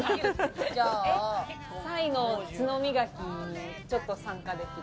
サイの角磨きにちょっと参加できる。